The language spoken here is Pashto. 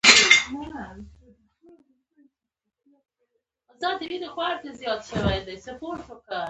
دوی به تل په خپل منځ کې د زړه راز کاوه